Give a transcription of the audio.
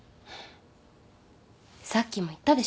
さっきも言ったでしょ。